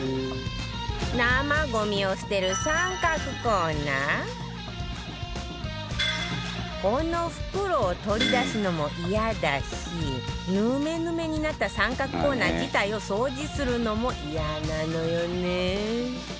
生ゴミを捨てるこの袋を取り出すのもイヤだしヌメヌメになった三角コーナー自体を掃除するのもイヤなのよね